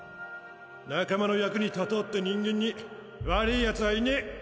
仲間の役に立とうって人間に悪ィ奴はいねえ。